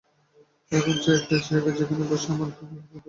এখন চাই এমন একটা জায়গা, যেখানে বসে আমার ভাবরাশি লিপিবদ্ধ করতে পারি।